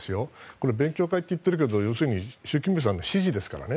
勉強会と言っているけど要するに習近平さんの指示ですからね。